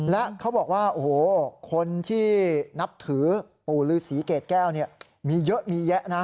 และเขาบอกว่าโอ้โหคนที่นับถือปู่ฤษีเกรดแก้วเนี่ยมีเยอะมีแยะนะ